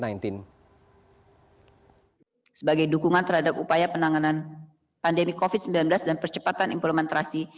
sebagai dukungan terhadap upaya penanganan pandemi covid sembilan belas dan percepatan implementasi